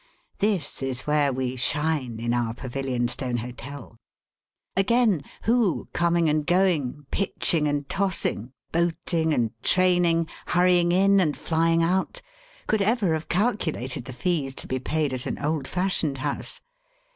This is where we shine, in our Pavilionstone Hotel. Again—who, coming and going, pitching and tossing, boating and training, hurrying in, and flying out, could ever have calculated the fees to be paid at an old fashioned house?